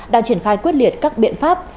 đang triển khai quyết liệt các biện pháp